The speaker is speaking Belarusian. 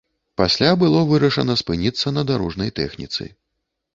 Пасля было вырашана спыніцца на дарожнай тэхніцы.